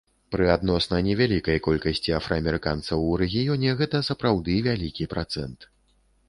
Пры адносна невялікай колькасці афраамерыканцаў у рэгіёне гэта сапраўды вялікі працэнт.